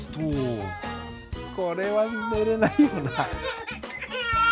これは寝れないよな。